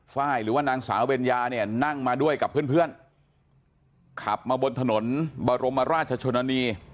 ไฟล์หรือว่านางสาวเบญญาเนี่ยนั่งมาด้วยกับเพื่อนเพื่อนขับมาบนถนนบรมราชชนนี